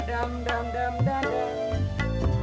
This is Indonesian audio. kenapa engkau cedah